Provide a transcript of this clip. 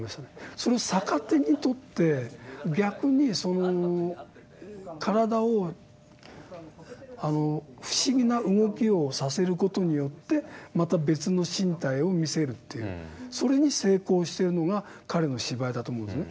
それを逆手に取って逆にその体を不思議な動きをさせる事によってまた別の身体を見せるというそれに成功してるのが彼の芝居だと思うんですよね。